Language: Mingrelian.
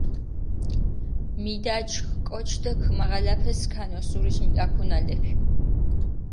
მიდაჩქვი კოჩი დო ქჷმაღალაფე სქანი ოსურიში მუკაქუნალეფი.